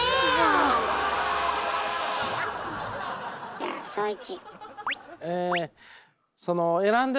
じゃあ創一。